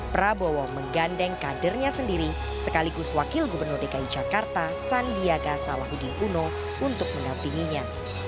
prabowo menggandeng kadernya sendiri sekaligus wakil gubernur dki jakarta sandiaga salahuddin uno untuk mendampinginya